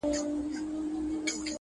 کومه ورځ به پر دې قوم باندي رڼا سي!.